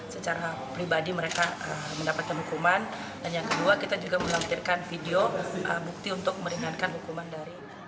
secara pribadi mereka mendapatkan hukuman dan yang kedua kita juga melampirkan video bukti untuk meringankan hukuman dari